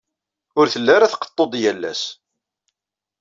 Ur telli ara tqeḍḍu-d yal ass.